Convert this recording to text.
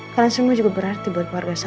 kalian semua juga berarti buat keluarga saya